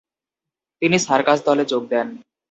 তিনি সার্কাস দলে যোগ দেন।